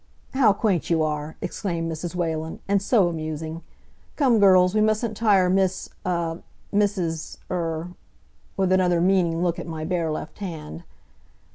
"How quaint you are!" exclaimed Mrs. Whalen, "and so amusing! Come girls, we mustn't tire Miss ah Mrs. er " with another meaning look at my bare left hand.